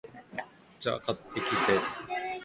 お茶、買ってきて